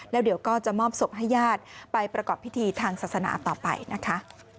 แล้วเดี๋ยวก็จะมอบศพให้ญาติไปประกอบพิธีทางศาสนาต่อไปนะคะ